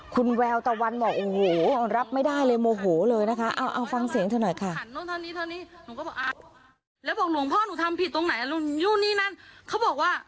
คุณแววตะวันบอกโอ้โหรับไม่ได้เลยโมโหเลยนะคะเอาฟังเสียงเธอหน่อยค่ะ